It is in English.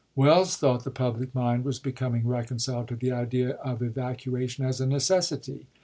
ie.W. Welles thought the public mind was becoming reconciled to the idea of evacuation as a necessity.